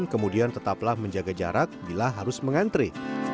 kemudian tetaplah menjaga jarak bila harus mengantri